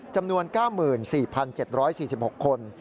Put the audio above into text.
จำนวน๙๔๗๔๖คน